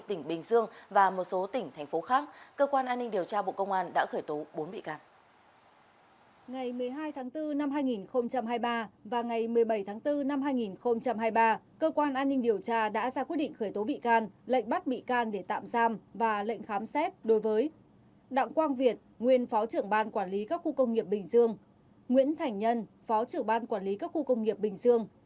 đặng quang việt nguyên phó trưởng ban quản lý các khu công nghiệp bình dương nguyễn thành nhân phó trưởng ban quản lý các khu công nghiệp bình dương